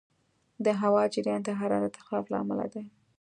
د هوا جریان د حرارت اختلاف له امله دی.